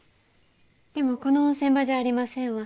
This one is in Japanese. でもこの温泉場じゃありませんわ。